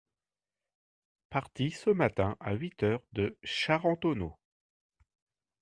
Parti ce matin à huit heures de Charentonneau…